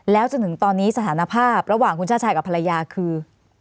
แล้วจนถึงตอนนี้สถานภาพระหว่างคุณชาติชายกับภรรยาคือ